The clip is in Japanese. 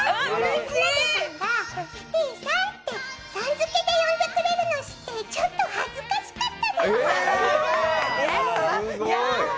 田辺さんがキティさんってさんづけで呼んでくれるのを知ってちょっと恥ずかしかった。